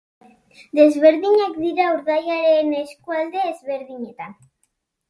Desberdinak dira urdailaren eskualde ezberdinetan.